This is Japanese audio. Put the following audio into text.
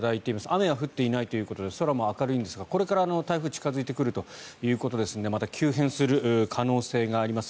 雨は降っていないということで空も明るいんですがこれから台風が近付いてくるということですのでまた急変する可能性があります。